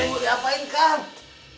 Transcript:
ini mau diapain kang